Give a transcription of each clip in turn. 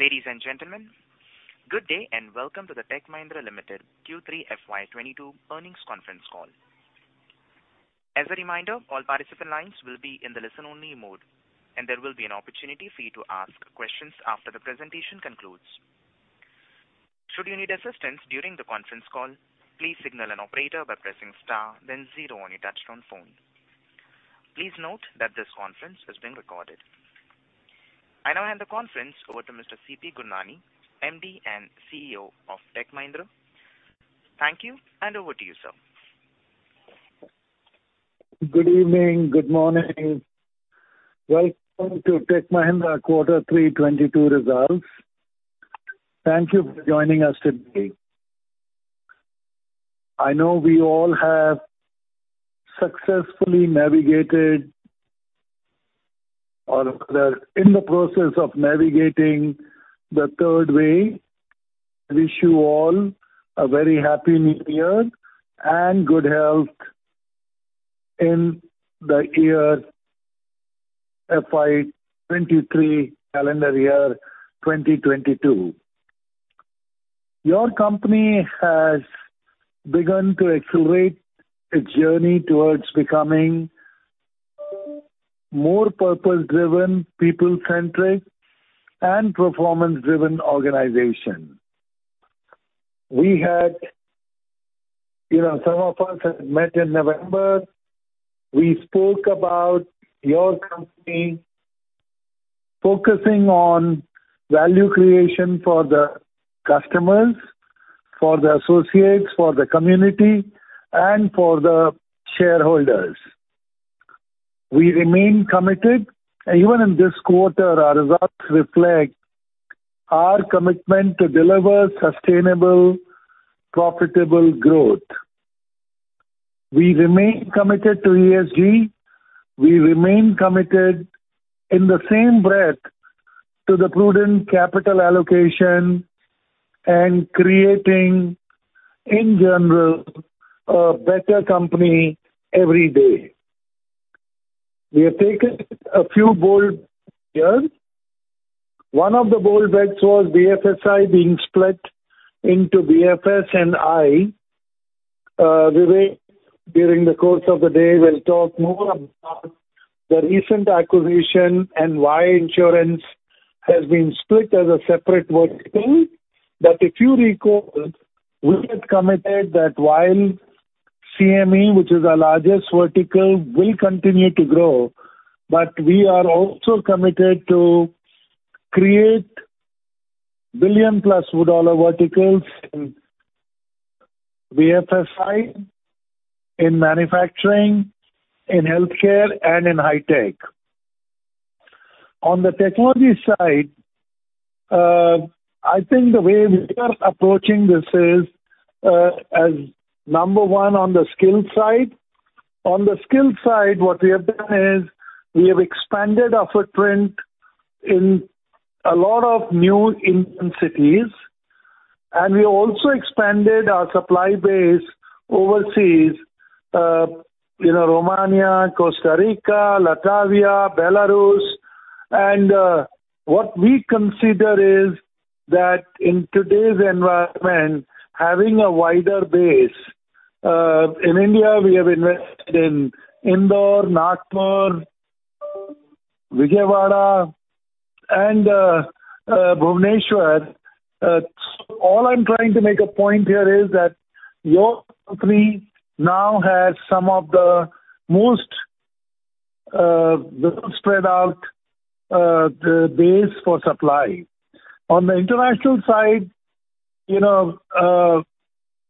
Ladies and gentlemen, good day and welcome to the Tech Mahindra Limited Q3 FY 2022 Earnings Conference Call. As a reminder, all participant lines will be in the listen-only mode, and there will be an opportunity for you to ask questions after the presentation concludes. Should you need assistance during the conference call, please signal an operator by pressing star then zero on your touchtone phone. Please note that this conference is being recorded. I now hand the conference over to Mr. C.P. Gurnani, MD and CEO of Tech Mahindra. Thank you and over to you, sir. Good evening. Good morning. Welcome to Tech Mahindra Q3 2022 results. Thank you for joining us today. I know we all have successfully navigated or rather in the process of navigating the third wave. Wish you all a very happy new year and good health in the year FY 2023, calendar year 2022. Your company has begun to accelerate its journey towards becoming more purpose-driven, people centric and performance driven organization. We had, you know, some of us had met in November. We spoke about your company focusing on value creation for the customers, for the associates, for the community and for the shareholders. We remain committed. Even in this quarter, our results reflect our commitment to deliver sustainable, profitable growth. We remain committed to ESG. We remain committed in the same breath to the prudent capital allocation and creating, in general, a better company every day. We have taken a few bold bets. One of the bold bets was BFSI being split into BFS and I. Vivek during the course of the day will talk more about the recent acquisition and why insurance has been split as a separate work stream. If you recall, we had committed that while CME, which is our largest vertical, will continue to grow, but we are also committed to create billion+ dollar verticals in BFSI, in manufacturing, in healthcare and in high tech. On the technology side, I think the way we are approaching this is, as number one on the skill side. On the skill side, what we have done is we have expanded our footprint in a lot of new Indian cities, and we also expanded our supply base overseas, you know, Romania, Costa Rica, Latvia, Belarus. What we consider is that in today's environment, having a wider base in India, we have invested in Indore, Nagpur, Vijayawada and Bhubaneswar. All I'm trying to make a point here is that your company now has some of the most well spread out base for supply. On the international side, you know,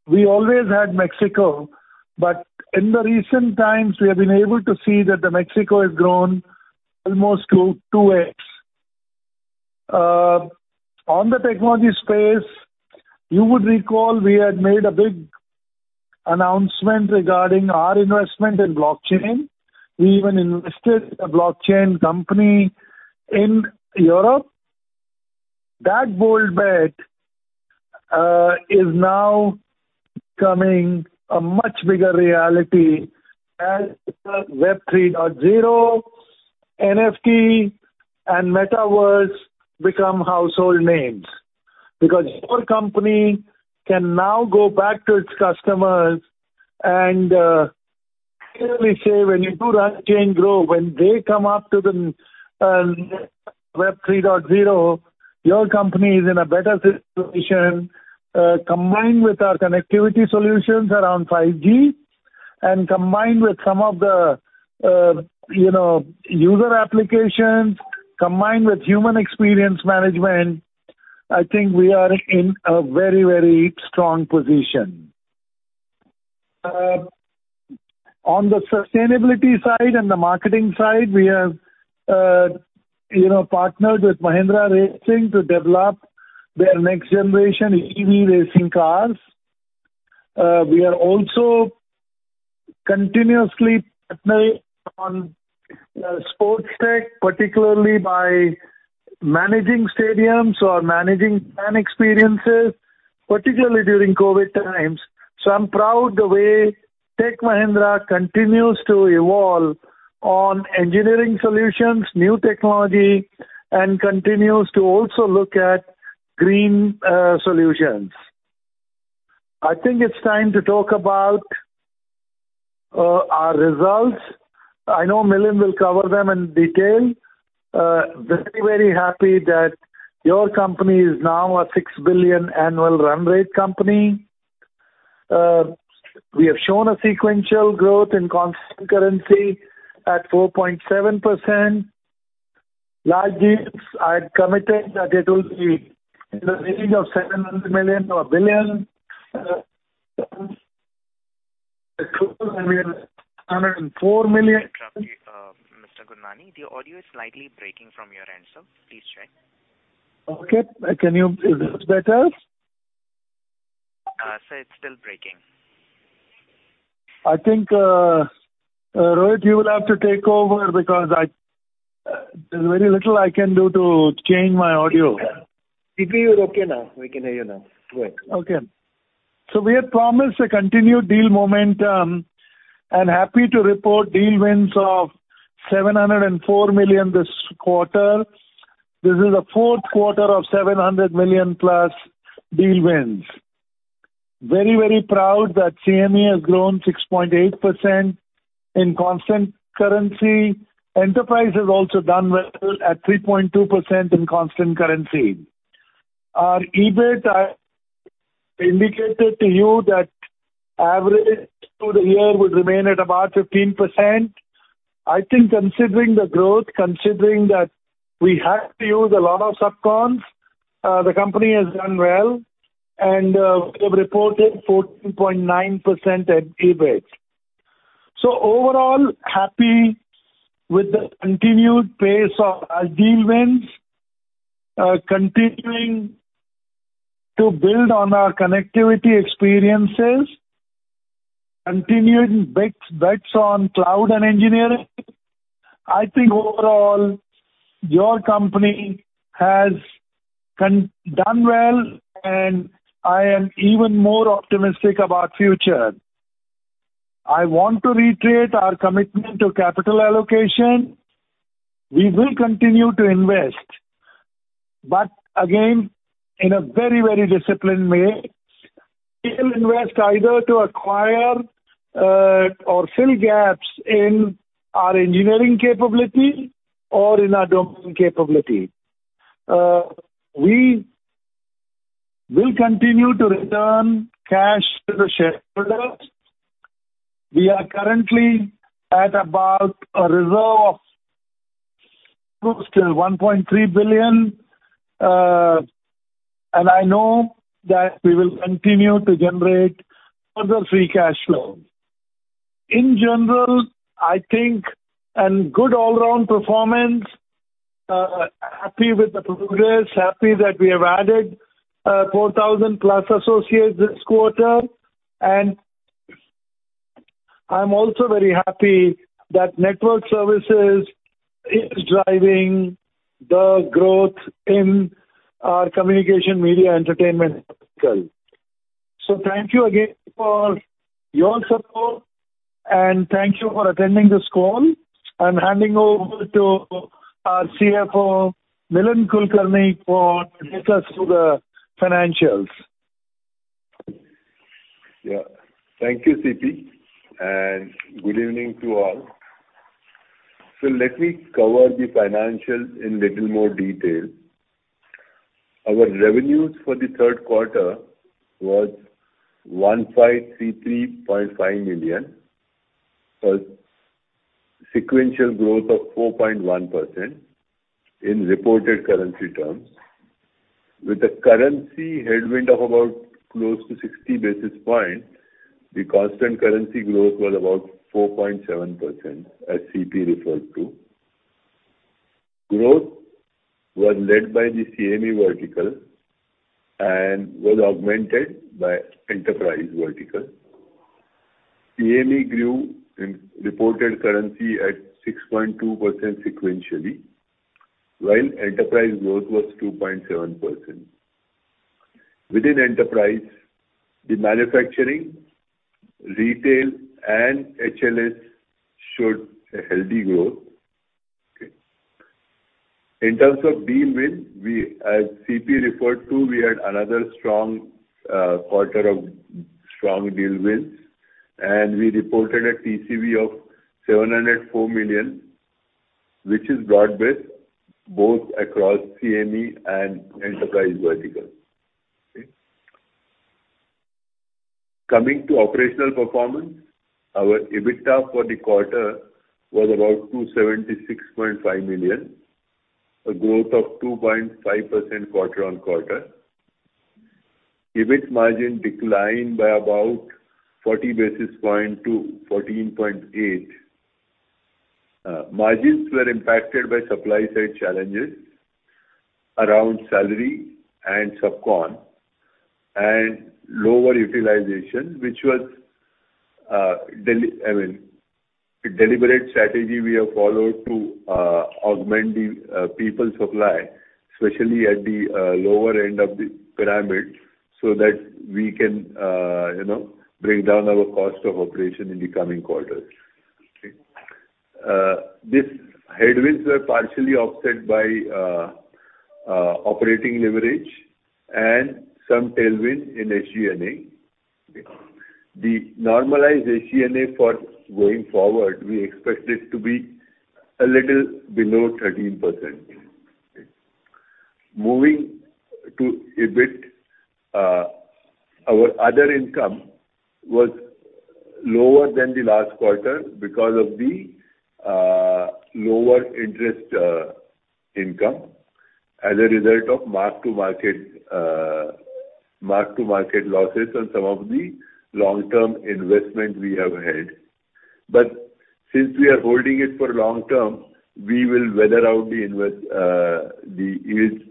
we always had Mexico, but in the recent times we have been able to see that Mexico has grown almost to 2x. On the technology space, you would recall we had made a big announcement regarding our investment in blockchain. We even invested in a blockchain company in Europe. That bold bet is now becoming a much bigger reality as Web 3.0, NFT and Metaverse become household names. Because your company can now go back to its customers and clearly say when you do blockchain growth, when they come up to the Web 3.0, your company is in a better situation. Combined with our connectivity solutions around 5G and combined with some of the you know, user applications, combined with human experience management, I think we are in a very, very strong position. On the sustainability side and the marketing side, we have you know, partnered with Mahindra Racing to develop their next generation EV racing cars. We are also continuously partnering on sports tech, particularly by managing stadiums or managing fan experiences, particularly during COVID times. I'm proud the way Tech Mahindra continues to evolve on engineering solutions, new technology, and continues to also look at green solutions. I think it's time to talk about our results. I know Milind will cover them in detail. Very, very happy that your company is now a $6 billion annual run rate company. We have shown a sequential growth in constant currency at 4.7%. Large deals, I had committed that it will be in the range of $700 million or $1 billion. $104 million- Mr. Gurnani, the audio is slightly breaking from your end, sir. Please check. Okay. Is this better? Sir, it's still breaking. I think, Rohit, you will have to take over because there's very little I can do to change my audio. C.P., you're okay now. We can hear you now. Go ahead. Okay. We had promised a continued deal momentum and happy to report deal wins of $704 million this quarter. This is the fourth quarter of $700 million-plus deal wins. Very, very proud that CME has grown 6.8% in constant currency. Enterprise has also done well at 3.2% in constant currency. Our EBIT, I indicated to you that average through the year would remain at about 15%. I think considering the growth, considering that we had to use a lot of subcons, the company has done well and, we've reported 14.9% at EBIT. Overall, happy with the continued pace of our deal wins, continuing to build on our connectivity experiences, continuing bets on cloud and engineering. I think overall, your company has done well, and I am even more optimistic about future. I want to reiterate our commitment to capital allocation. We will continue to invest, but again, in a very, very disciplined way. We will invest either to acquire or fill gaps in our engineering capability or in our domain capability. We will continue to return cash to the shareholders. We are currently at about a reserve of close to $1.3 billion, and I know that we will continue to generate further free cash flow. In general, I think a good all-around performance, happy with the progress, happy that we have added 4,000+ associates this quarter. I'm also very happy that Network Services is driving the growth in our Communications, Media & Entertainment vertical. Thank you again for your support and thank you for attending this call. I'm handing over to our CFO, Milind Kulkarni, to take us through the financials. Yeah. Thank you, C.P., and good evening to all. Let me cover the financials in little more detail. Our revenues for the third quarter was $1,533.5 million, a sequential growth of 4.1% in reported currency terms. With a currency headwind of about close to 60 basis points, the constant currency growth was about 4.7%, as C.P. referred to. Growth was led by the CME vertical and was augmented by Enterprise vertical. CME grew in reported currency at 6.2% sequentially, while enterprise growth was 2.7%. Within enterprise, the manufacturing, retail, and HLS showed a healthy growth. Okay. In terms of deal wins, as C.P. referred to, we had another strong quarter of strong deal wins, and we reported a TCV of $704 million, which is broad-based both across CME and enterprise vertical. Okay. Coming to operational performance, our EBITDA for the quarter was about $276.5 million, a growth of 2.5% quarter-on-quarter. EBIT margin declined by about 40 basis points to 14.8%. Margins were impacted by supply side challenges around salary and subcon and lower utilization, which was, I mean, a deliberate strategy we have followed to augment the people supply. Especially at the lower end of the pyramid, so that we can, you know, bring down our cost of operation in the coming quarters. Okay. These headwinds were partially offset by operating leverage and some tailwind in SG&A. The normalized SG&A going forward, we expect it to be a little below 13%. Moving to EBIT, our other income was lower than the last quarter because of the lower interest income as a result of mark-to-market losses on some of the long-term investment we have had. Since we are holding it for long term, we will weather out the yields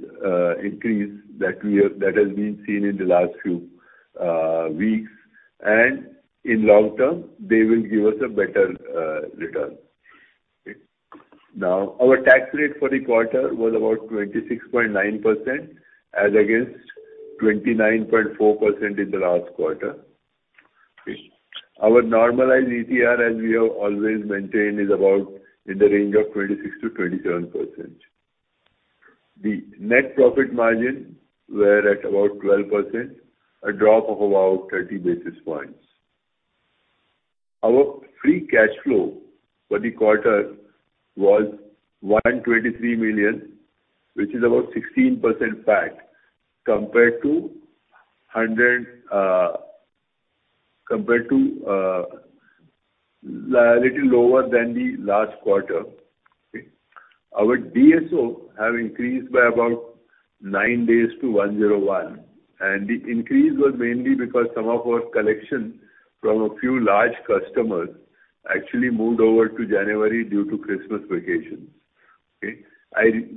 increase that we have, that has been seen in the last few weeks. In long term, they will give us a better return. Now, our tax rate for the quarter was about 26.9% as against 29.4% in the last quarter. Our normalized ETR, as we have always maintained, is about in the range of 26%-27%. The net profit margin were at about 12%, a drop of about 30 basis points. Our free cash flow for the quarter was $123 million, which is about 16% back compared to 100, little lower than the last quarter. Okay. Our DSO have increased by about nine days to 101, and the increase was mainly because some of our collection from a few large customers actually moved over to January due to Christmas vacations. Okay.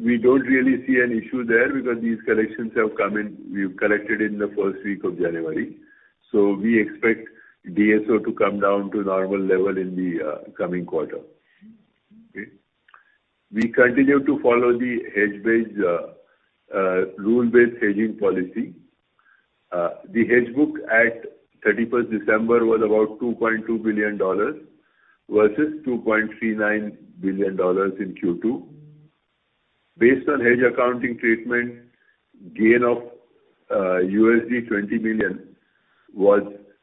We don't really see an issue there because these collections have come in, we've collected in the first week of January. So we expect DSO to come down to normal level in the coming quarter. Okay. We continue to follow the hedge-based, rule-based hedging policy. The hedge booked at 31 December was about $2.2 billion versus $2.39 billion in Q2. Based on hedge accounting treatment, gain of $20 million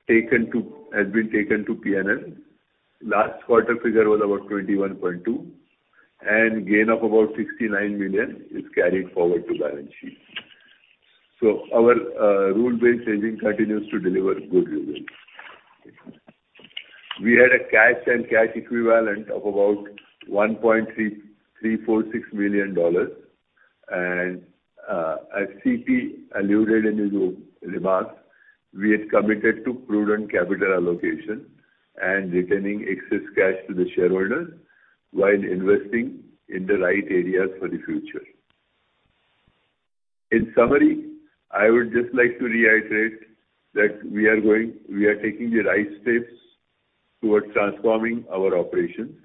has been taken to P&L. Last quarter figure was about $21.2 million, and gain of about $69 million is carried forward to balance sheet. Our rule-based hedging continues to deliver good results. Okay. We had a cash and cash equivalents of about $1.3346 million. As C.P. alluded in his remarks, we are committed to prudent capital allocation and returning excess cash to the shareholders while investing in the right areas for the future. In summary, I would just like to reiterate that we are taking the right steps towards transforming our operations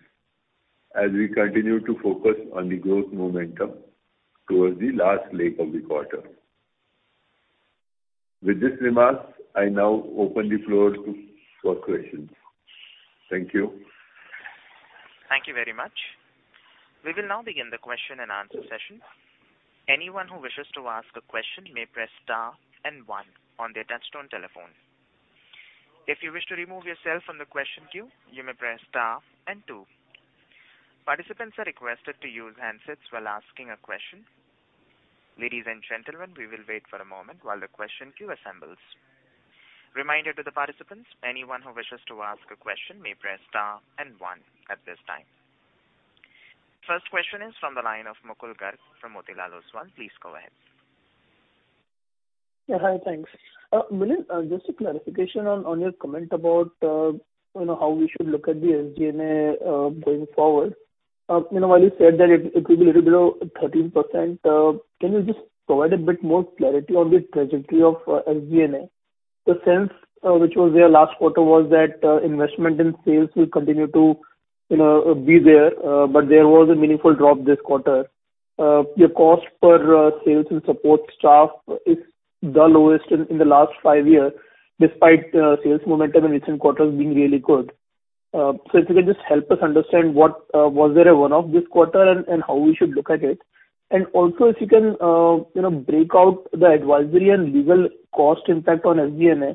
as we continue to focus on the growth momentum towards the last leg of the quarter. With these remarks, I now open the floor for questions. Thank you. Thank you very much. We will now begin the question and answer session. Anyone who wishes to ask a question may press star and one on their touch-tone telephone. If you wish to remove yourself from the question queue, you may press star and two. Participants are requested to use handsets while asking a question. Ladies and gentlemen, we will wait for a moment while the question queue assembles. Reminder to the participants, anyone who wishes to ask a question may press star and one at this time. First question is from the line of Mukul Garg from Motilal Oswal. Please go ahead. Yeah, hi. Thanks. Milind, just a clarification on your comment about you know, how we should look at the SG&A going forward. You know, while you said that it will be little below 13%, can you just provide a bit more clarity on the trajectory of SG&A? The sense which was there last quarter was that investment in sales will continue to you know, be there, but there was a meaningful drop this quarter. Your cost per sales and support staff is the lowest in the last five years, despite sales momentum in recent quarters being really good. So if you can just help us understand what was there a one-off this quarter and how we should look at it. If you can break out the advisory and legal cost impact on SG&A,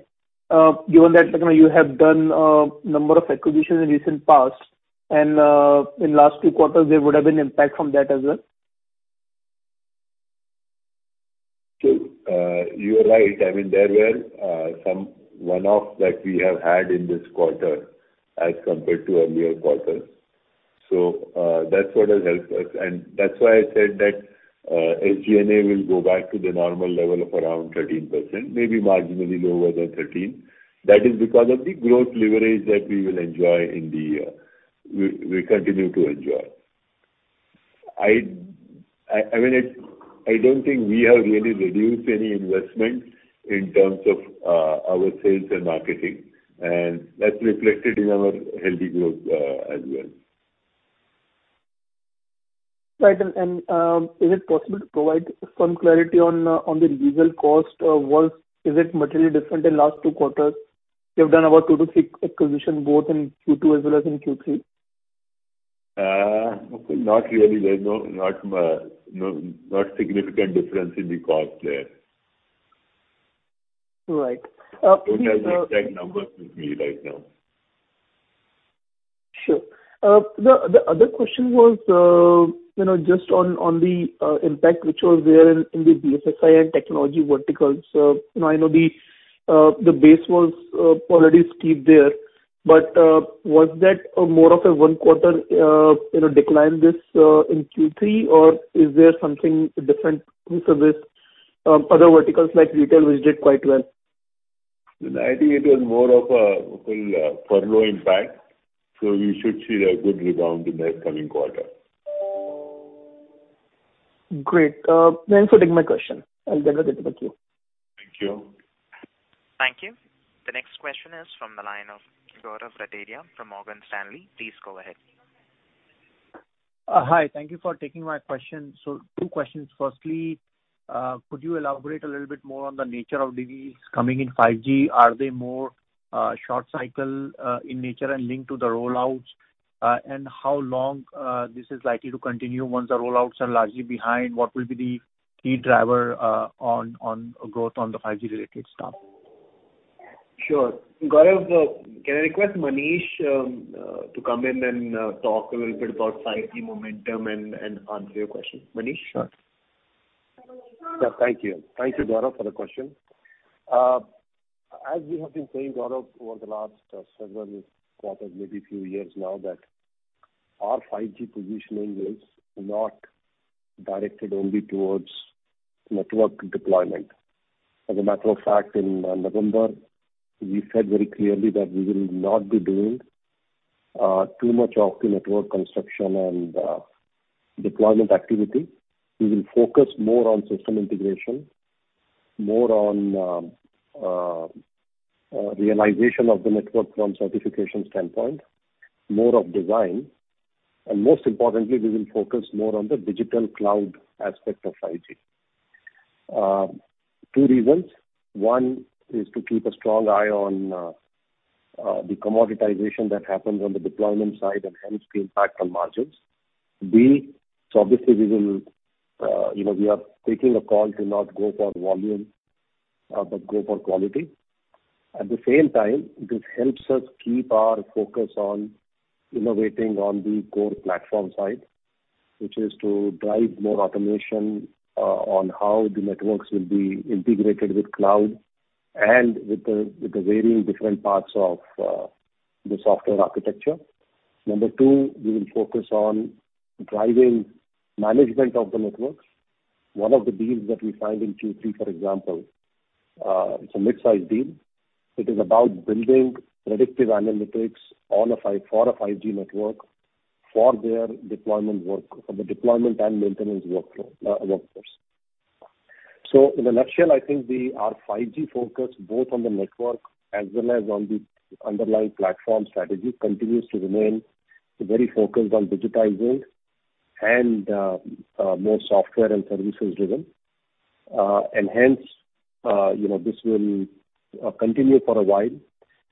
given that you have done a number of acquisitions in recent past and in last two quarters there would have been impact from that as well. You are right. I mean, there were some one-offs that we have had in this quarter as compared to earlier quarters. That's what has helped us. That's why I said that SG&A will go back to the normal level of around 13%, maybe marginally lower than 13%. That is because of the growth leverage that we continue to enjoy. I mean, I don't think we have really reduced any investment in terms of our sales and marketing, and that's reflected in our healthy growth as well. Right. Is it possible to provide some clarity on the legal costs of deals? Is it materially different than last two quarters? You have done about 2-6 acquisitions, both in Q2 as well as in Q3. Not really. There's no significant difference in the cost there. Right. Don't have the exact numbers with me right now. Sure. The other question was, you know, just on the impact which was there in the BFSI and technology verticals. Now I know the base was already steep there, but was that more of a one quarter, you know, decline this in Q3? Or is there something different vis-a-vis other verticals like retail, which did quite well? I think it was more of a full furlough impact, so we should see a good rebound in next coming quarter. Great. Thanks for taking my question. I'll then get back to you. Thank you. Thank you. The next question is from the line of Gaurav Rateria from Morgan Stanley. Please go ahead. Hi, thank you for taking my question. Two questions. First, could you elaborate a little bit more on the nature of deals coming in 5G? Are they more short cycle in nature and linked to the roll-outs? How long this is likely to continue once the roll-outs are largely behind? What will be the key driver on growth on the 5G-related stuff? Sure. Gaurav, can I request Manish to come in and talk a little bit about 5G momentum and answer your question. Manish? Sure. Yeah, thank you. Thank you, Gaurav, for the question. As we have been saying, Gaurav, over the last several quarters, maybe few years now, that our 5G positioning is not directed only towards network deployment. As a matter of fact, in November, we said very clearly that we will not be doing too much of the network construction and deployment activity. We will focus more on system integration, more on realization of the network from certification standpoint, more of design, and most importantly, we will focus more on the digital cloud aspect of 5G. Two reasons. One is to keep a strong eye on the commoditization that happens on the deployment side and hence the impact on margins. Obviously we will we are taking a call to not go for volume, but go for quality. At the same time, this helps us keep our focus on innovating on the core platform side, which is to drive more automation, on how the networks will be integrated with cloud and with the varying different parts of the software architecture. Number two, we will focus on driving management of the networks. One of the deals that we signed in Q3, for example, it's a mid-sized deal. It is about building predictive analytics on a 5G network for their deployment work, for the deployment and maintenance workflow, workforce. In a nutshell, I think we are 5G-focused both on the network as well as on the underlying platform. Strategy continues to remain very focused on digitizing and more software and services driven. Hence, you know, this will continue for a while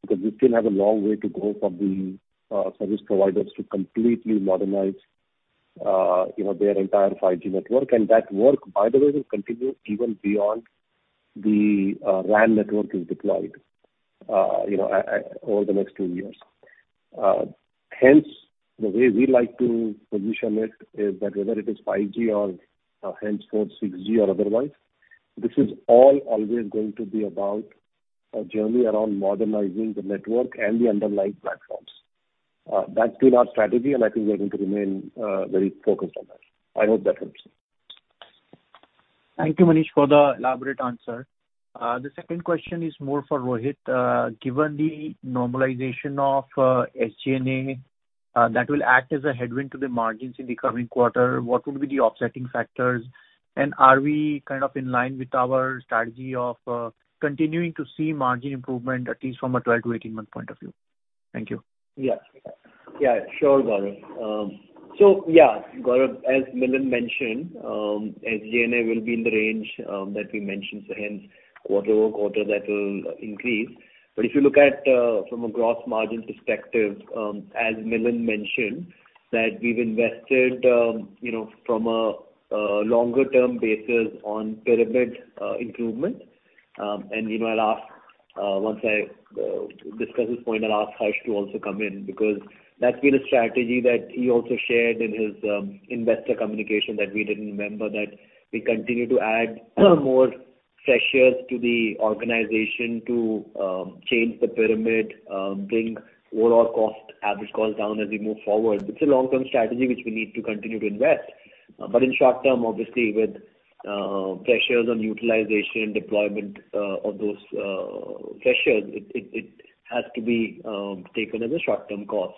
because we still have a long way to go for the service providers to completely modernize, you know, their entire 5G network. That work, by the way, will continue even beyond the RAN network is deployed, you know, over the next two years. Hence, the way we like to position it is that whether it is 5G or even 4G, 6G or otherwise, this is all always going to be about a journey around modernizing the network and the underlying platforms. That's been our strategy, and I think we are going to remain very focused on that. I hope that helps. Thank you, Manish, for the elaborate answer. The second question is more for Rohit. Given the normalization of SG&A, that will act as a headwind to the margins in the coming quarter, what would be the offsetting factors? Are we kind of in line with our strategy of continuing to see margin improvement, at least from a 12-18-month point of view? Thank you. Yeah, sure, Gaurav. Yeah, Gaurav, as Milind mentioned, SG&A will be in the range that we mentioned, hence quarter-over-quarter that will increase. If you look at from a gross margin perspective, as Milind mentioned, that we've invested you know from a longer-term basis on pyramid improvement. You know, I'll ask once I discuss this point, I'll ask Harsh to also come in because that's been a strategy that he also shared in his investor communication that we did in November, that we continue to add more freshers to the organization to change the pyramid, bring overall average cost down as we move forward. It's a long-term strategy which we need to continue to invest. In short term, obviously, with pressures on utilization, deployment of those pressures, it has to be taken as a short-term cost.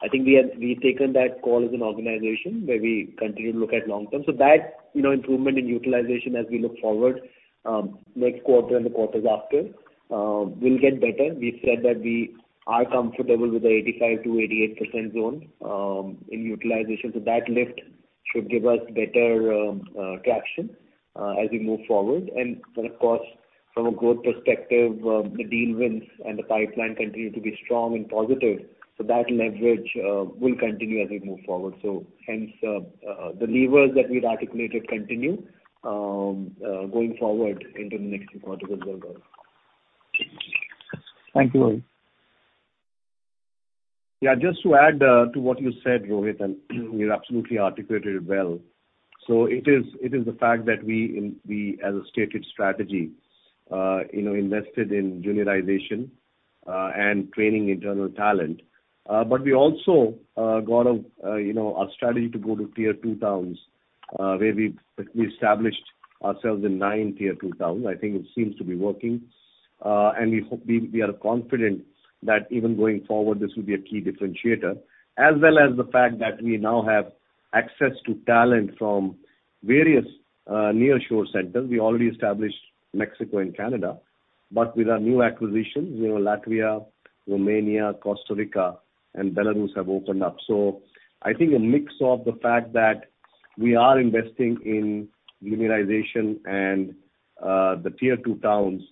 I think we've taken that call as an organization where we continue to look at long term. That, you know, improvement in utilization as we look forward, next quarter and the quarters after, will get better. We've said that we are comfortable with the 85%-88% zone in utilization. That lift should give us better traction as we move forward. Of course, from a growth perspective, the deal wins and the pipeline continue to be strong and positive. That leverage will continue as we move forward. Hence, the levers that we've articulated continue going forward into the next few quarters as well, Gaurav. Thank you. Yeah. Just to add to what you said, Rohit, and you've absolutely articulated it well. It is the fact that we, as a stated strategy, you know, invested in juniorization and training internal talent. But we also got a strategy to go to tier-two towns, where we've established ourselves in 9 tier-two towns. I think it seems to be working. We hope we are confident that even going forward, this will be a key differentiator, as well as the fact that we now have access to talent from various nearshore centers. We already established Mexico and Canada, but with our new acquisitions, you know, Latvia, Romania, Costa Rica and Belarus have opened up. I think a mix of the fact that we are investing in juniorization and the tier-two towns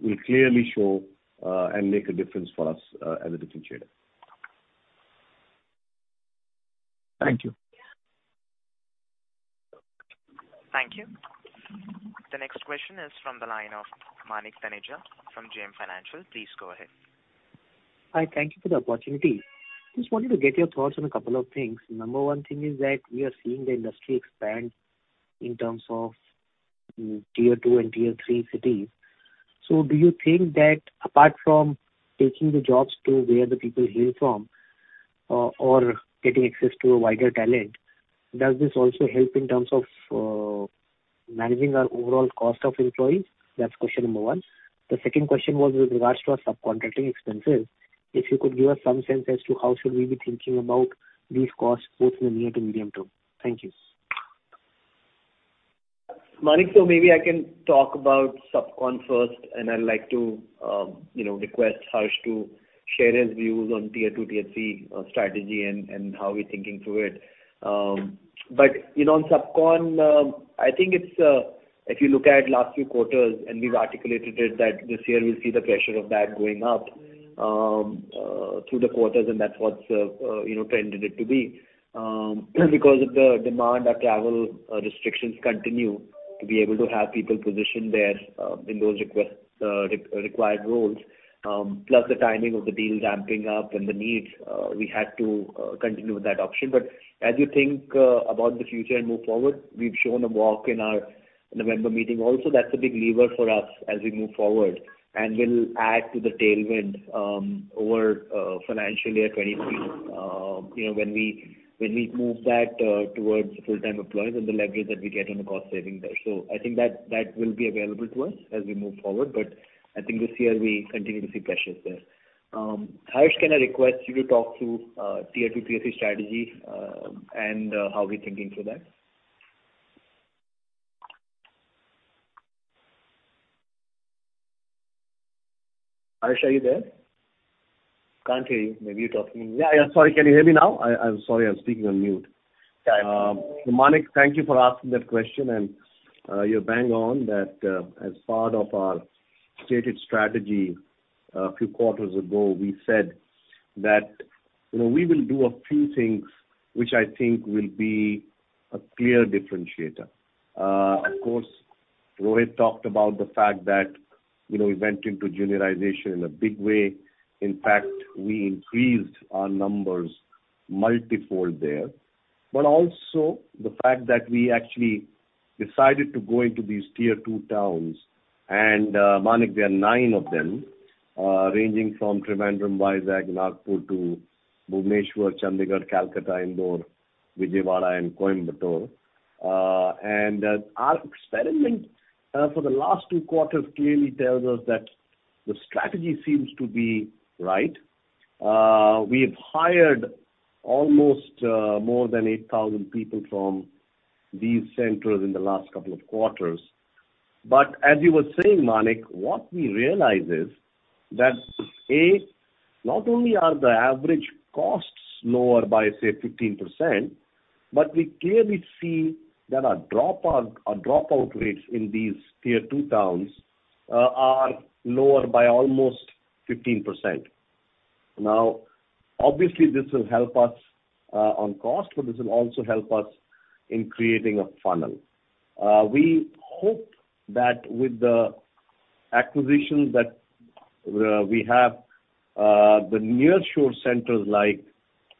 will clearly show and make a difference for us as a differentiator. Thank you. Thank you. The next question is from the line of Manik Taneja from JM Financial. Please go ahead. Hi. Thank you for the opportunity. Just wanted to get your thoughts on a couple of things. Number one thing is that we are seeing the industry expand in terms of tier two and tier three cities. Do you think that apart from taking the jobs to where the people hail from, or getting access to a wider talent, does this also help in terms of, managing our overall cost of employees? That's question number one. The second question was with regards to our subcontracting expenses. If you could give us some sense as to how should we be thinking about these costs both in the near to medium term? Thank you. Manik, maybe I can talk about subcon first, and I'd like to, you know, request Harsh to share his views on tier two, tier three strategy and how we're thinking through it. You know, on subcon, I think it's if you look at last few quarters, and we've articulated it that this year we'll see the pressure of that going up through the quarters, and that's what's you know, tended to be. Because of the demand that travel restrictions continue to be able to have people positioned there in those required roles, plus the timing of the deals ramping up and the needs we had to continue with that option. As you think about the future and move forward, we've shown a walk in our November meeting also. That's a big lever for us as we move forward. We'll add to the tailwind over financial year 2023, you know, when we move that towards full-time employees and the leverage that we get on the cost saving there. I think that will be available to us as we move forward. I think this year we continue to see pressures there. Harsh, can I request you to talk through tier two, tier three strategy, and how we're thinking through that? Harsh, are you there? Can't hear you. Maybe you're talking. Sorry. Can you hear me now? I'm sorry, I was speaking on mute. Manik, thank you for asking that question. You're bang on that, as part of our stated strategy a few quarters ago, we said that, you know, we will do a few things which I think will be a clear differentiator. Of course, Rohit talked about the fact that, you know, we went into juniorization in a big way. In fact, we increased our numbers multifold there. Also the fact that we actually decided to go into these tier two towns. Manik, there are nine of them, ranging from Thiruvananthapuram, Visakhapatnam, Nagpur to Bhubaneswar, Chandigarh, Kolkata, Indore, Vijayawada and Coimbatore. Our experiment for the last two quarters clearly tells us that the strategy seems to be right. We've hired almost more than 8,000 people from these centers in the last couple of quarters. As you were saying, Manik, what we realize is that, A, not only are the average costs lower by, say, 15%, but we clearly see that our dropout rates in these tier two towns are lower by almost 15%. Now, obviously, this will help us on cost, but this will also help us in creating a funnel. We hope that with the acquisitions that we have, the nearshore centers like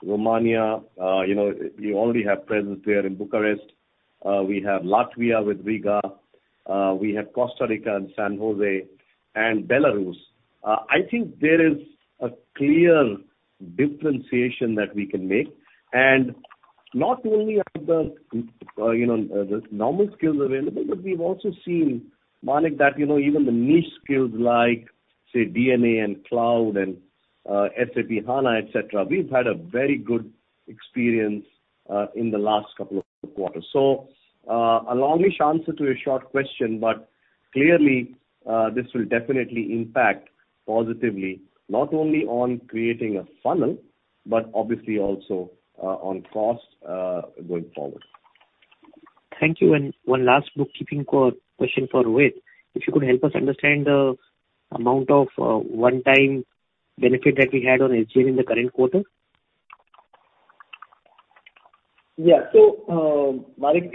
Romania, you know, we already have presence there in Bucharest. We have Latvia with Riga. We have Costa Rica and San José and Belarus. I think there is a clear differentiation that we can make. Not only are the, you know, the normal skills available, but we've also seen, Manik, that, you know, even the niche skills like, say, D&A and Cloud and, SAP HANA, et cetera, we've had a very good experience, in the last couple of quarters. A longish answer to a short question, but. Clearly, this will definitely impact positively, not only on creating a funnel, but obviously also, on cost, going forward. Thank you. One last bookkeeping question for Rohit. If you could help us understand the amount of one-time benefit that we had on SG&A in the current quarter. Yeah. Manik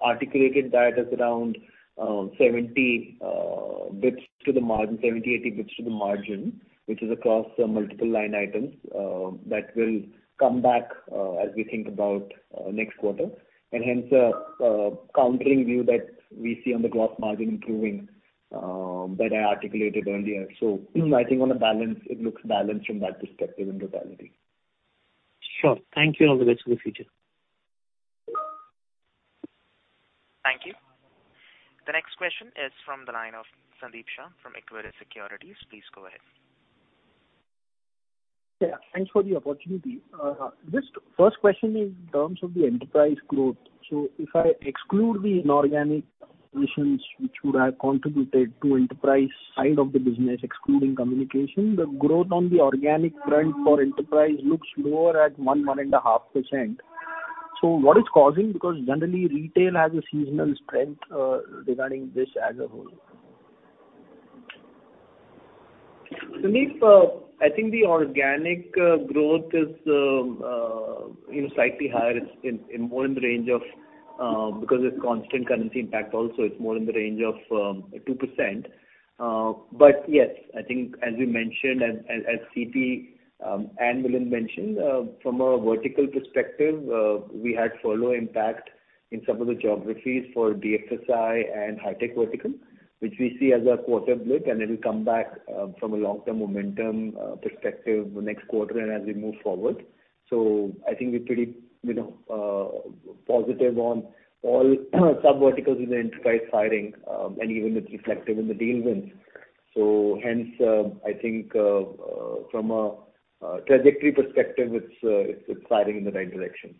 articulated that as around 70-80 basis points to the margin, which is across multiple line items that will come back as we think about next quarter. Hence, the countering view that we see on the growth margin improving that I articulated earlier. I think on balance, it looks balanced from that perspective in totality. Sure. Thank you, and all the best for the future. Thank you. The next question is from the line of Sandeep Shah from Equirus Securities. Please go ahead. Yeah, thanks for the opportunity. Just first question is in terms of the enterprise growth. If I exclude the inorganic acquisitions which would have contributed to enterprise side of the business, excluding Communications, the growth on the organic front for Enterprise looks lower at 1%-1.5%. What is causing this, because generally Retail has a seasonal strength regarding this as a whole? Sandeep, I think the organic growth is, you know, slightly higher in, more in the range of, because it's constant currency impact also, it's more in the range of, 2%. Yes, I think as we mentioned and as C.P. and Milind mentioned, from a vertical perspective, we had lower impact in some of the geographies for BFSI and high tech vertical, which we see as a quarter blip, and it'll come back, from a long-term momentum perspective next quarter and as we move forward. I think we're pretty, you know, positive on all sub-verticals in the enterprise vertical, and even it's reflective in the deal wins. Hence, I think, from a trajectory perspective, it's firing in the right direction.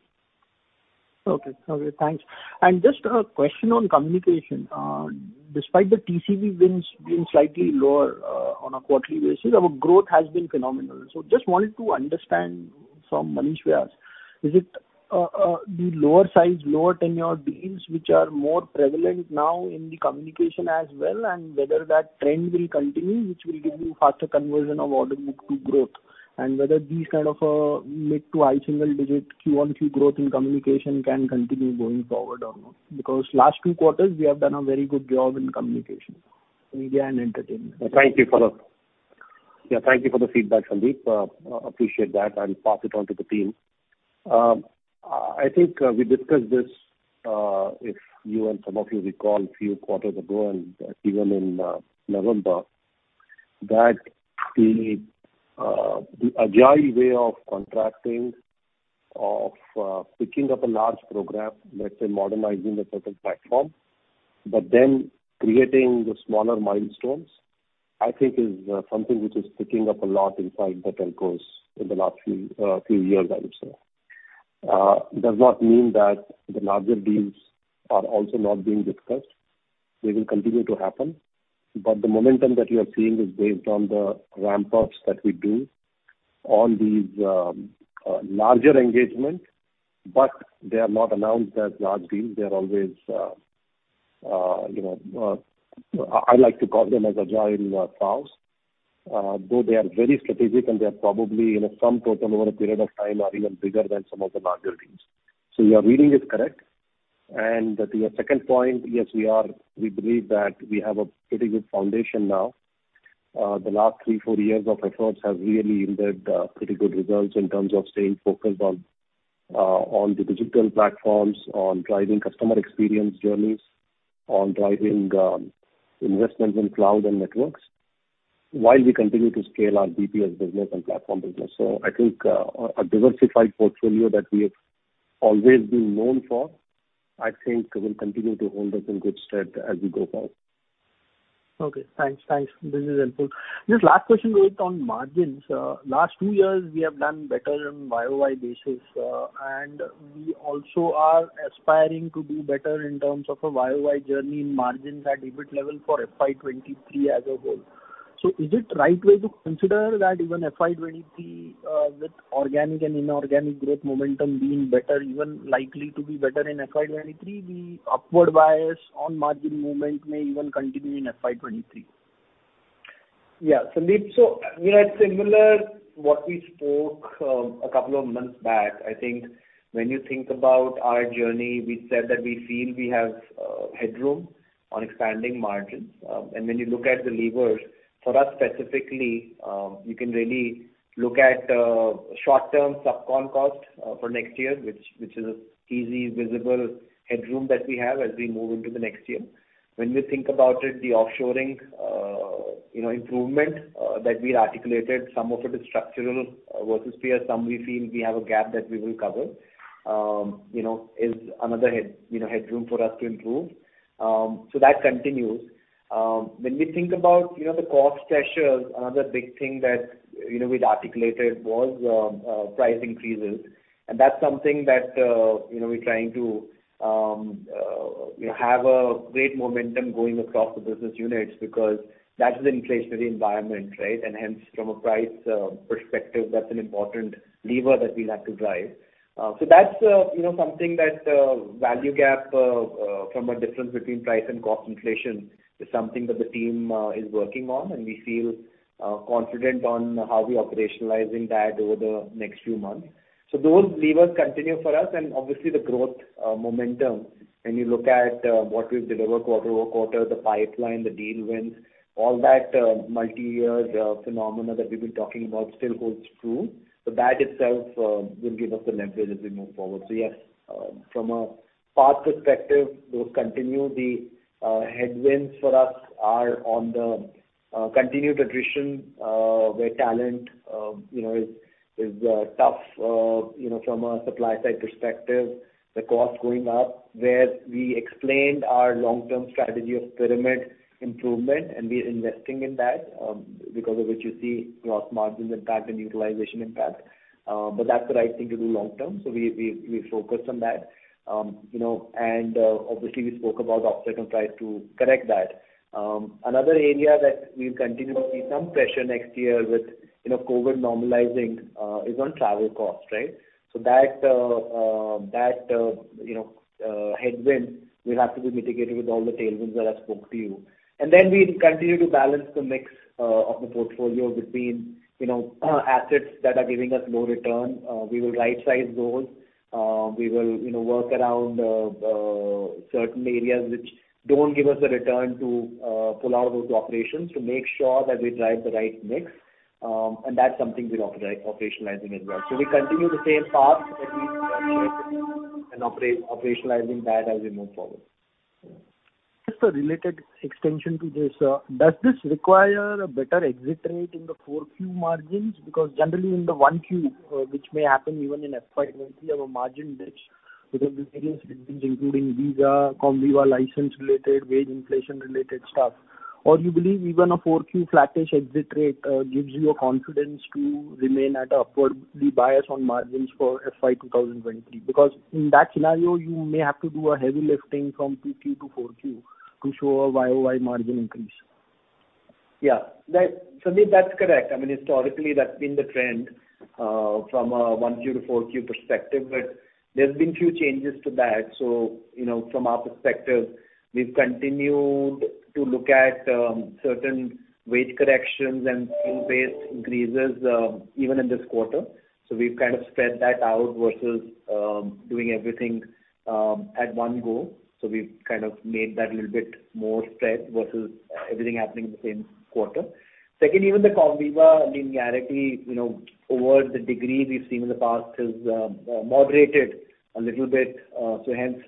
Thanks. Just a question on Communications. Despite the TCV wins being slightly lower on a quarterly basis, our growth has been phenomenal. Just wanted to understand from Manish Vyas, is it the lower size, lower tenure deals which are more prevalent now in the Communications as well, and whether that trend will continue, which will give you faster conversion of order book to growth? And whether these kind of mid- to high-single-digit Q-on-Q growth in Communications can continue going forward or not? Because last two quarters, we have done a very good job in Communications, Media and Entertainment. Thank you for the feedback, Sandeep. Appreciate that. I'll pass it on to the team. I think we discussed this, if you and some of you recall a few quarters ago and even in November, that the agile way of contracting, of picking up a large program, let's say modernizing a certain platform, but then creating the smaller milestones, I think is something which is picking up a lot inside the Telcos in the last few years, I would say. Does not mean that the larger deals are also not being discussed. They will continue to happen. The momentum that you are seeing is based on the ramp ups that we do on these larger engagement, but they are not announced as large deals. They are always, you know, I like to call them as agile piles. Though they are very strategic and they are probably in a sum total over a period of time are even bigger than some of the larger deals. Your reading is correct. To your second point, yes, we are. We believe that we have a pretty good foundation now. The last three, four years of efforts have really yielded pretty good results in terms of staying focused on the digital platforms, on driving customer experience journeys, on driving investments in cloud and networks while we continue to scale our BPS business and platform business. I think a diversified portfolio that we have always been known for, I think will continue to hold us in good stead as we go forward. Okay. Thanks. This is helpful. Just last question, Rohit, on margins. Last two years, we have done better on YOY basis, and we also are aspiring to do better in terms of a YOY journey in margins at EBIT level for FY 2023 as a whole. Is it right way to consider that even FY 2023, with organic and inorganic growth momentum being better, even likely to be better in FY 2023, the upward bias on margin movement may even continue in FY 2023? Yeah. Sandeep, we are similar to what we spoke a couple of months back. I think when you think about our journey, we said that we feel we have headroom on expanding margins. When you look at the levers for us specifically, you can really look at short-term sub-con cost for next year, which is an easy, visible headroom that we have as we move into the next year. When we think about it, the offshoring you know improvement that we had articulated, some of it is structural versus fear. Some we feel we have a gap that we will cover you know is another headroom for us to improve. That continues. When we think about you know the cost pressures, another big thing that you know we'd articulated was price increases. That's something that, you know, we're trying to have a great momentum going across the business units because that is an inflationary environment, right? Hence, from a price perspective, that's an important lever that we'll have to drive. That's, you know, something that value gap from a difference between price and cost inflation is something that the team is working on, and we feel confident on how we operationalizing that over the next few months. Those levers continue for us and obviously the growth momentum. When you look at what we've delivered quarter-over-quarter, the pipeline, the deal wins, all that multiyear phenomena that we've been talking about still holds true. That itself will give us the leverage as we move forward. Yes, from a path perspective, those continue. The headwinds for us are on the continued attrition, where talent, you know, is tough, you know, from a supply side perspective. The cost going up, where we explained our long-term strategy of pyramid improvement, and we're investing in that, because of which you see gross margins impact and utilization impact. That's the right thing to do long term. We focus on that. You know, and obviously, we spoke about the offset and try to correct that. Another area that we'll continue to see some pressure next year with, you know, COVID normalizing, is on travel cost, right? That headwind will have to be mitigated with all the tailwinds that I spoke to you. We continue to balance the mix of the portfolio between, you know, assets that are giving us low return. We will rightsize those. We will, you know, work around certain areas which don't give us a return to pull out of those operations to make sure that we drive the right mix. That's something we're operationalizing as well. We continue the same path that we are operationalizing that as we move forward. Just a related extension to this. Does this require a better exit rate in the 4Q margins? Because generally in the 1Q, which may happen even in FY 2023, our margin dips because of the various reasons, including visa, Comviva license related, wage inflation related stuff. You believe even a 4Q flattish exit rate gives you a confidence to remain at a upwardly bias on margins for FY 2023. Because in that scenario, you may have to do a heavy lifting from 2Q-4Q to show a YOY margin increase. Yeah. Sandeep, that's correct. I mean, historically, that's been the trend from a 1Q-4Q perspective, but there's been few changes to that. You know, from our perspective, we've continued to look at certain wage corrections and increases even in this quarter. So we've kind of spread that out versus doing everything at one go. So we've kind of made that a little bit more spread versus everything happening in the same quarter. Second, even the Comviva linearity, you know, to the degree we've seen in the past is moderated a little bit. So hence,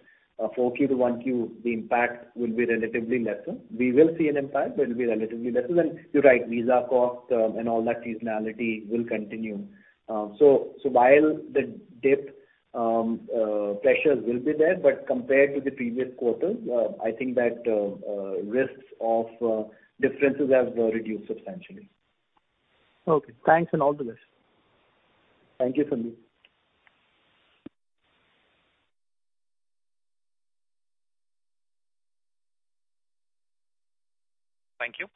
4Q- 1Q, the impact will be relatively lesser. We will see an impact, but it'll be relatively lesser. Then you're right, visa cost and all that seasonality will continue. While the dip pressures will be there, but compared to the previous quarter, I think that risks of differences have reduced substantially. Okay. Thanks and all the best. Thank you, Sandeep. Thank you.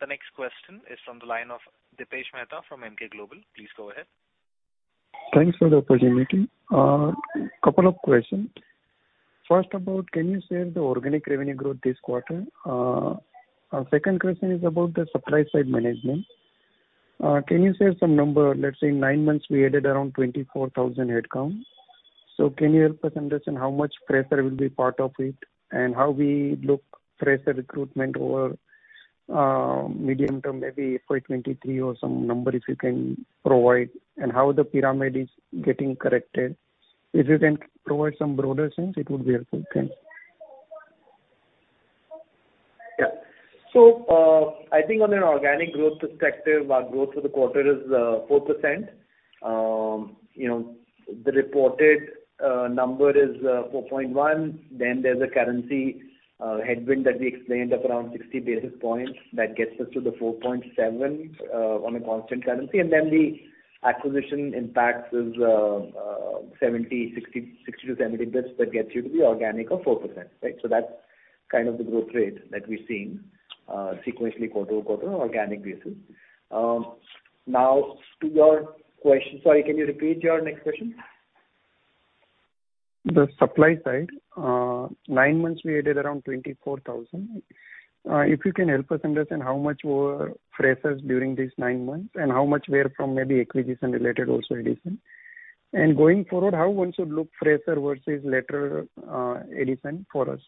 The next question is from the line of Dipesh Mehta from Emkay Global. Please go ahead. Thanks for the opportunity. Couple of questions. First about, can you share the organic revenue growth this quarter? Second question is about the supply side management. Can you share some number, let's say nine months we added around 24,000 headcount. Can you help us understand how much pressure will be part of it and how we look fresher recruitment over, medium term, maybe FY 2023 or some number if you can provide, and how the pyramid is getting corrected? If you can provide some broader sense, it would be helpful. Thanks. Yeah. I think on an organic growth perspective, our growth for the quarter is 4%. You know, the reported number is 4.1. Then there's a currency headwind that we explained of around 60 basis points that gets us to the 4.7 on a constant currency. Then the acquisition impact is 60-70 basis points that gets you to the organic of 4%, right? That's kind of the growth rate that we're seeing sequentially quarter-over-quarter on organic basis. Now to your question. Sorry, can you repeat your next question? The supply side. Nine months we added around 24,000. If you can help us understand how much were freshers during these nine months and how much were from maybe acquisition related also addition. Going forward, how one should look fresher versus lateral, addition for us?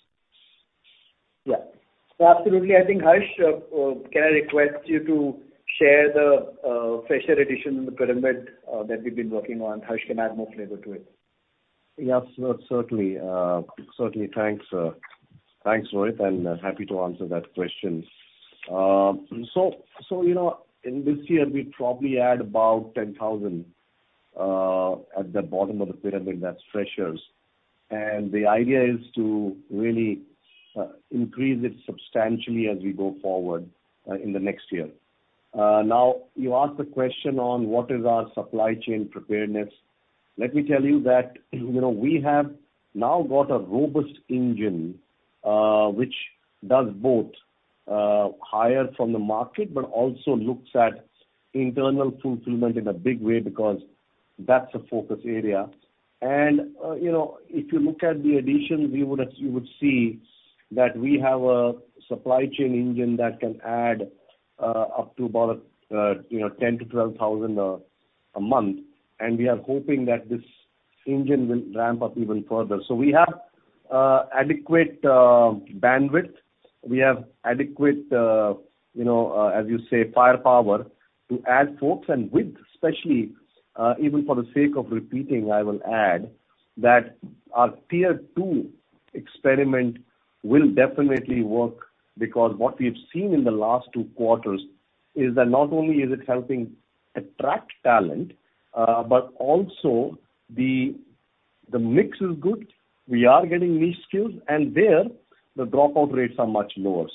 Yeah. Absolutely. I think, Harsh, can I request you to share the fresher addition in the pyramid that we've been working on? Harsh can add more flavor to it. Yeah. Sure. Certainly. Thanks Rohit, and happy to answer that question. So, you know, in this year, we probably add about 10,000 At the bottom of the pyramid, that's freshers. The idea is to really increase it substantially as we go forward in the next year. Now, you asked the question on what is our supply chain preparedness. Let me tell you that, you know, we have now got a robust engine which does both hire from the market, but also looks at internal fulfillment in a big way because that's a focus area. You know, if you look at the addition, you would see that we have a supply chain engine that can add up to about, you know, 10,000-12,000 a month, and we are hoping that this engine will ramp up even further. We have adequate bandwidth. We have adequate, you know, as you say, firepower to add folks and width, especially, even for the sake of repeating, I will add that our tier two experiment will definitely work because what we've seen in the last two quarters is that not only is it helping attract talent, but also the mix is good. We are getting niche skills, and there the dropout rates are much lower.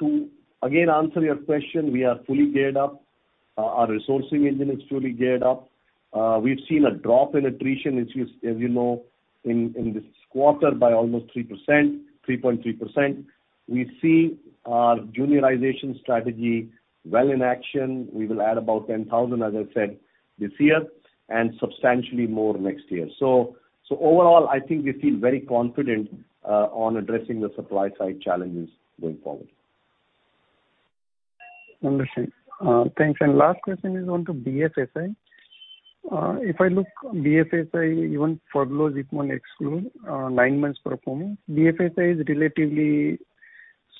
To again answer your question, we are fully geared up. Our resourcing engine is fully geared up. We've seen a drop in attrition, as you know, in this quarter by almost 3%, 3.3%. We see our juniorization strategy well in action. We will add about 10,000, as I said, this year, and substantially more next year. Overall, I think we feel very confident on addressing the supply side challenges going forward. Understood. Thanks. Last question is on BFSI. If I look at BFSI, even for the last nine months performing, BFSI is relatively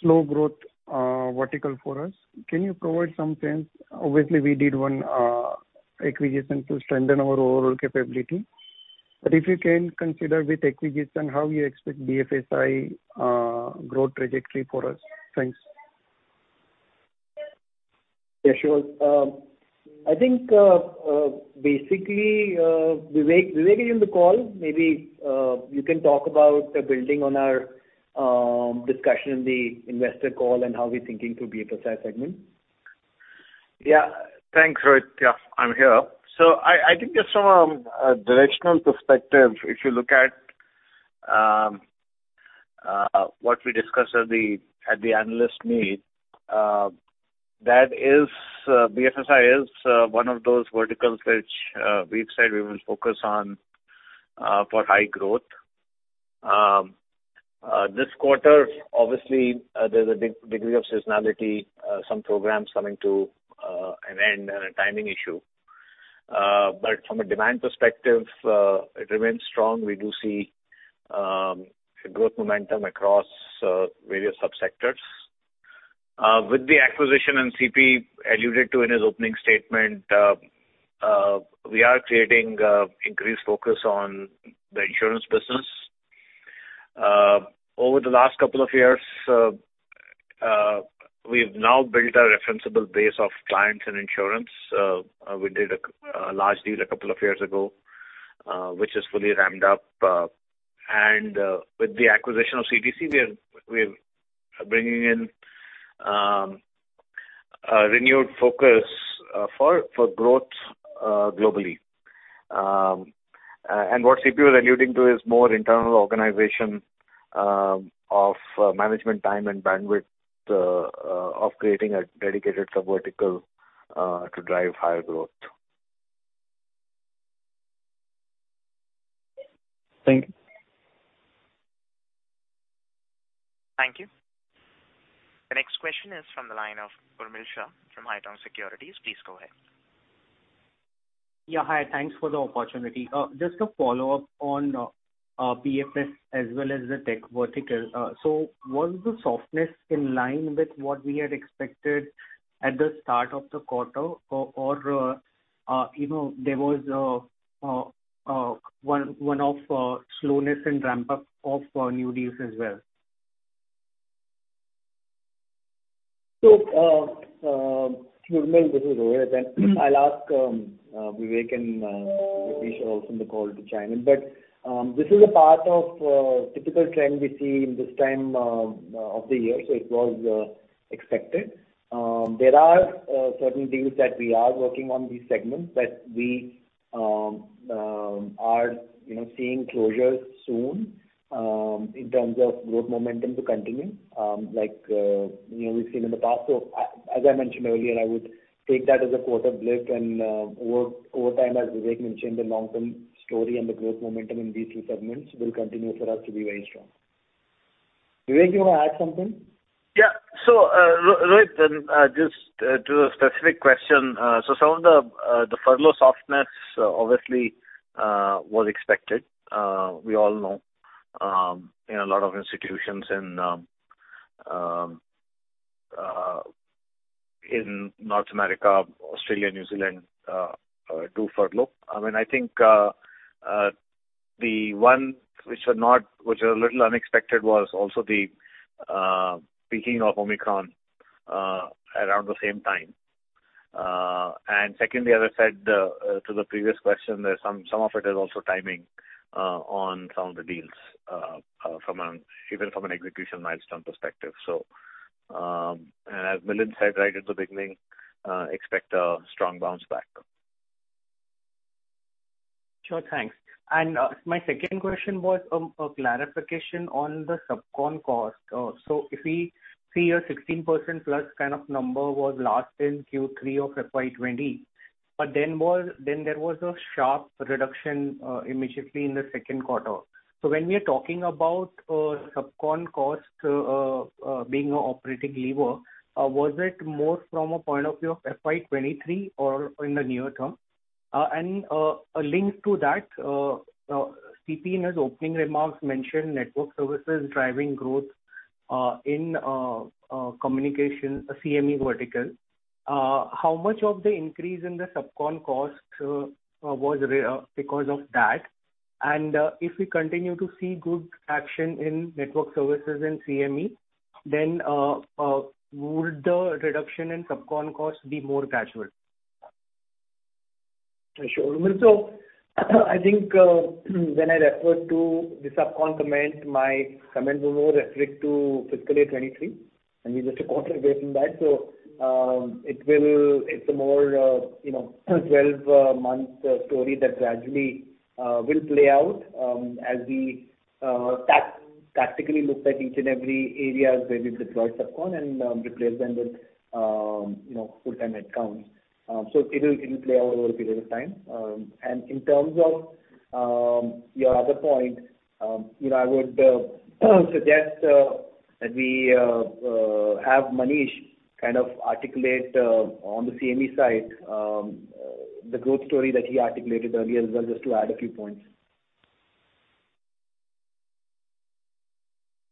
slow growth vertical for us. Can you provide some sense? Obviously, we did one acquisition to strengthen our overall capability. But if you can, considering the acquisition, how you expect BFSI growth trajectory for us. Thanks. Yeah, sure. I think, basically, Vivek is in the call. Maybe, you can talk about building on our discussion in the investor call and how we're thinking through BFSI segment. Thanks Rohit. Yeah, I'm here. I think just from a directional perspective, if you look at what we discussed at the analyst meet, BFSI is one of those verticals which we've said we will focus on for high growth. This quarter, obviously, there's a degree of seasonality, some programs coming to an end and a timing issue. From a demand perspective, it remains strong. We do see a growth momentum across various subsectors. With the acquisition and C.P. alluded to in his opening statement, we are creating increased focus on the insurance business. Over the last couple of years, we've now built a referenceable base of clients in insurance. We did a large deal a couple of years ago, which is fully ramped up. With the acquisition of CTC, we're bringing in a renewed focus for growth globally. What C.P. was alluding to is more internal organization of management time and bandwidth of creating a dedicated sub-vertical to drive higher growth. Thank you. Thank you. The next question is from the line of Urmil Shah from Haitong Securities. Please go ahead. Yeah, hi. Thanks for the opportunity. Just a follow-up on BFS as well as the tech vertical. So was the softness in line with what we had expected at the start of the quarter or, you know, there was one-off slowness in ramp up of new deals as well? Urmil, this is Rohit. I'll ask Vivek and Ratnesh also in the call to chime in. This is a part of typical trend we see in this time of the year, so it was expected. There are certain deals that we are working on these segments that we are, you know, seeing closure soon, in terms of growth momentum to continue, like, you know, we've seen in the past. As I mentioned earlier, I would take that as a quarter blip and, over time, as Vivek mentioned, the long-term story and the growth momentum in these two segments will continue for us to be very strong. Vivek, you wanna add something? Yeah. Rohit, just to a specific question. Some of the furlough softness obviously was expected. We all know, you know, a lot of institutions in North America, Australia, New Zealand do furlough. I mean, I think The one which are not, which are a little unexpected, was also the peaking of Omicron around the same time. Secondly, as I said to the previous question, there's some of it is also timing on some of the deals, even from an execution milestone perspective. As Milind said right at the beginning, expect a strong bounce back. Sure. Thanks. My second question was a clarification on the subcon cost. If we see a 16%+ kind of number was last in Q3 of FY 2020, but there was a sharp reduction immediately in the second quarter. When we are talking about subcon cost being an operating lever, was it more from a point of view of FY 2023 or in the near term? A link to that, C.P. in his opening remarks mentioned network services driving growth in communications, the CME vertical. How much of the increase in the subcon costs was because of that? If we continue to see good traction in network services and CME, would the reduction in subcon costs be more gradual? Sure, Urmil. I think when I referred to the subcon comment, my comment was more referring to FY 2023, and we're just a quarter away from that. It's a more, you know, 12-month story that gradually will play out as we tactically look at each and every area where we've deployed subcon and replace them with, you know, full-time headcounts. So it'll play out over a period of time. In terms of your other point, you know, I would suggest that we have Manish kind of articulate on the CME side the growth story that he articulated earlier as well, just to add a few points.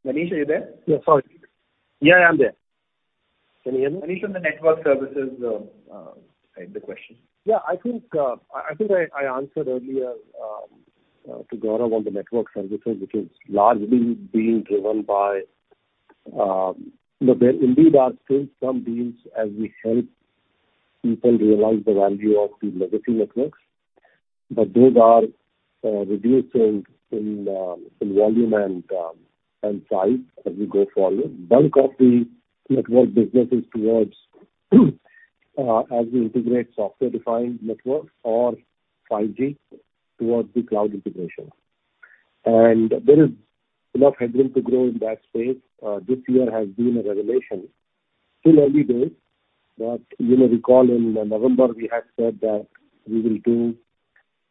Manish, are you there? Yeah, sorry. Yeah, I'm there. Can you hear me? Manish on the Network Services, the question. Yeah. I think I answered earlier to Gaurav on the network services, which is largely being driven by, you know, there indeed are still some deals as we help people realize the value of the legacy networks. Those are reducing in volume and size as we go forward. Bulk of the network business is towards as we integrate software-defined networks or 5G towards the cloud integration. There is enough headroom to grow in that space. This year has been a revelation. Still early days, but you know, recall in November we had said that we will do,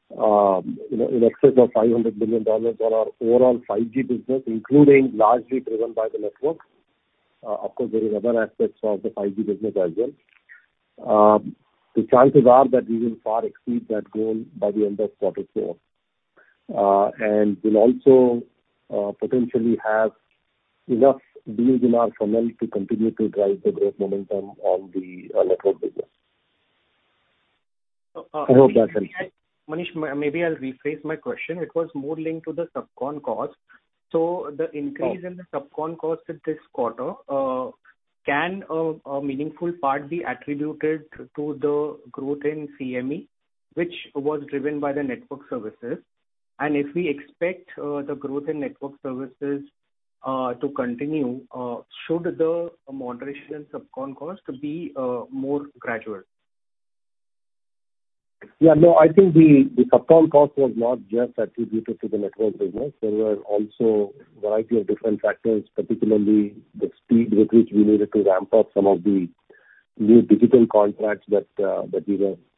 you know, in excess of $500 million on our overall 5G business, including largely driven by the network. Of course, there is other aspects of the 5G business as well. The chances are that we will far exceed that goal by the end of quarter four. We'll also potentially have enough deals in our funnel to continue to drive the growth momentum on the network business. I hope that helps. Manish, maybe I'll rephrase my question. It was more linked to the subcon cost. The increase- Oh. In the subcon cost this quarter, can a meaningful part be attributed to the growth in CME, which was driven by the network services? If we expect the growth in network services to continue, should the moderation in subcon cost be more gradual? Yeah, no, I think the subcon cost was not just attributed to the network business. There were also a variety of different factors, particularly the speed with which we needed to ramp up some of the new digital contracts that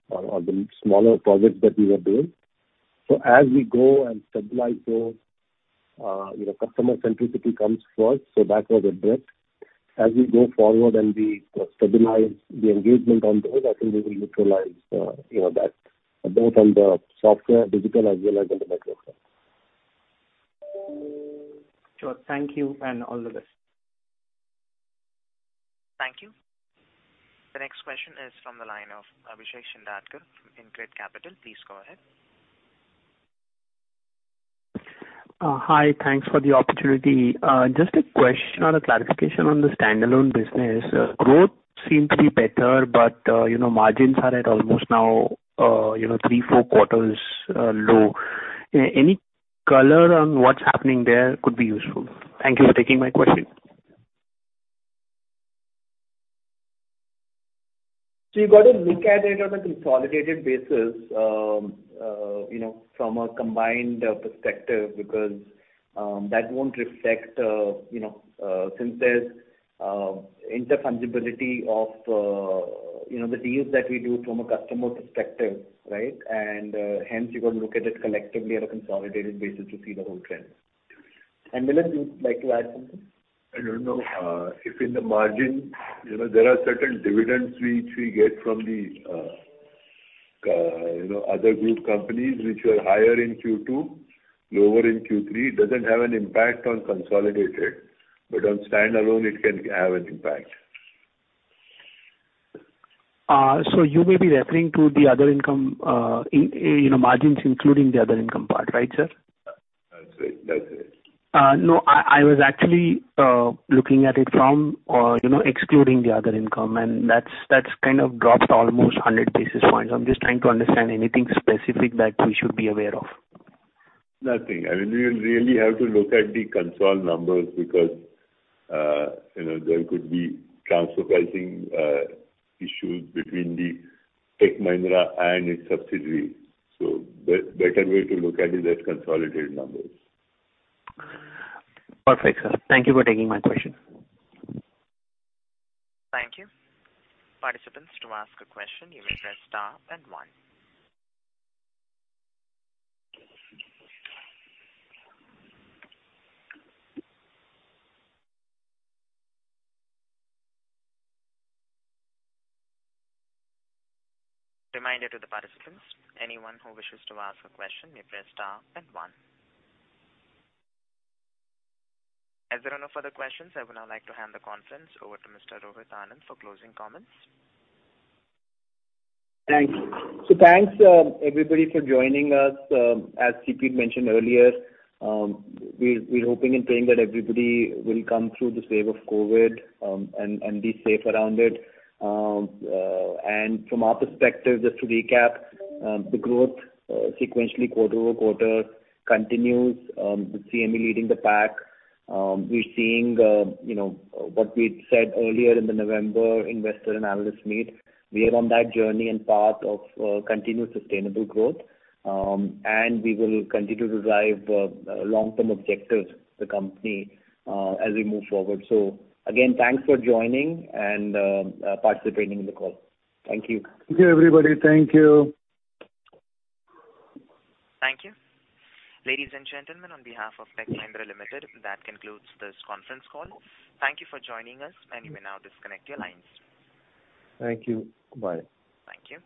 or the smaller projects that we were doing. As we go and stabilize those, you know, customer centricity comes first, so that was a drift. As we go forward and we stabilize the engagement on those, I think we will utilize you know that both on the software, digital as well as on the network front. Sure. Thank you and all the best. Thank you. The next question is from the line of Abhishek Shindadkar from InCred Capital. Please go ahead. Hi. Thanks for the opportunity. Just a question or a clarification on the standalone business. Growth seems to be better, but, you know, margins are at almost now, you know, three, four quarters, low. Any color on what's happening there could be useful. Thank you for taking my question. You've got to look at it on a consolidated basis, you know, from a combined perspective because that won't reflect you know since there's interchangeability of you know the deals that we do from a customer perspective, right? Hence you got to look at it collectively on a consolidated basis to see the whole trend. Milind, you'd like to add something? I don't know. If in the margin, you know, there are certain dividends which we get from the, you know, other group companies which were higher in Q2, lower in Q3, it doesn't have an impact on consolidated, but on standalone it can have an impact. You may be referring to the other income in margins, including the other income part, right, sir? That's it. No. I was actually looking at it from you know, excluding the other income, and that's kind of dropped almost 100 basis points. I'm just trying to understand anything specific that we should be aware of. Nothing. I mean, we really have to look at the consolidated numbers because, you know, there could be transfer pricing issues between Tech Mahindra and its subsidiary. Better way to look at it is as consolidated numbers. Perfect, sir. Thank you for taking my question. Thank you. Participants, to ask a question, you may press star then one. Reminder to the participants, anyone who wishes to ask a question may press star and one. As there are no further questions, I would now like to hand the conference over to Mr. Rohit Anand for closing comments. Thanks. Thanks, everybody for joining us. As C.P. mentioned earlier, we're hoping and praying that everybody will come through this wave of COVID, and be safe around it. From our perspective, just to recap, the growth sequentially quarter-over-quarter continues, with CME leading the pack. We're seeing, you know, what we said earlier in the November Investor and Analyst Meet. We are on that journey and path of continued sustainable growth. We will continue to drive long-term objectives of the company as we move forward. Again, thanks for joining and participating in the call. Thank you. Thank you, everybody. Thank you. Thank you. Ladies and gentlemen, on behalf of Tech Mahindra Limited, that concludes this conference call. Thank you for joining us, and you may now disconnect your lines. Thank you. Bye. Thank you.